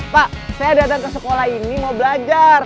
pak saya datang ke sekolah ini mau belajar